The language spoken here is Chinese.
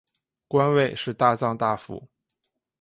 官位是大藏大辅。